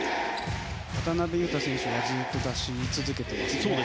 渡邊雄太選手がずっと出し続けてますね。